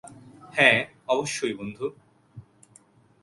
হ্যাঁ, অবশ্যই, বন্ধু।